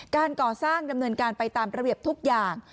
การก่อสร้างดำเนินการไปตามระเบียบทุกอย่าง